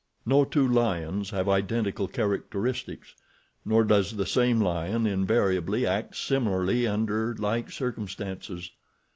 No two lions have identical characteristics, nor does the same lion invariably act similarly under like circumstances.